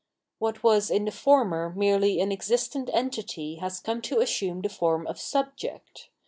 What was in the former merely an existent entity has come to assume the form of Subject.